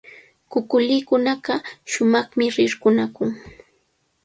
Kukulikunaqa shumaqmi rirqunakun.